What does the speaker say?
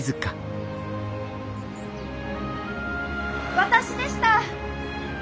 私でした！